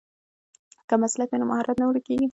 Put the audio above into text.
که مسلک وي نو مهارت نه ورکېږي.